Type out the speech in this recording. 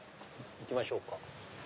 行きましょうか。